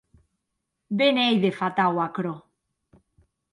Be n’ei de fatau aquerò!